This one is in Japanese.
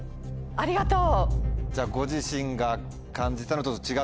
ありがとう！